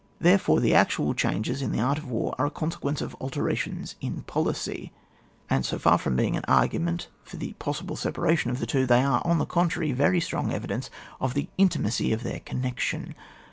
Therefore, the actual changes in the art of war are a consequence of altera tions in policy ; and, so far from being 70 ON WAR. [book Tin. an arg^ument for the possible separation of the two, they are, on the contrary, very strong evidence of the intimacy of their connexion.